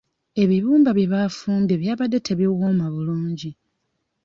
Ebibumba bye baafumbye byabadde tebiwooma bulungi.